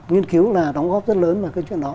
nghiên cứu là đóng góp rất lớn vào cái chuyện đó